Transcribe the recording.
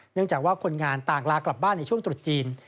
จากว่าคนงานต่างลากลับบ้านในช่วงตรุษจีน